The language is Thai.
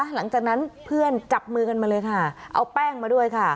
หลังจากนั้นเพื่อนจับมือกันมาเลยค่ะเอาแป้งมาด้วยค่ะ